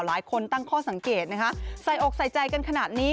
หลายคนตั้งข้อสังเกตนะคะใส่อกใส่ใจกันขนาดนี้